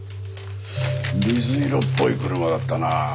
水色っぽい車だったな。